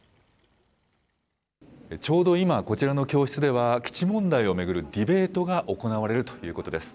ちょうど今、こちらの教室では、基地問題を巡るディベートが行われるということです。